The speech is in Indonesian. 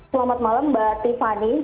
selamat malam mbak tiffany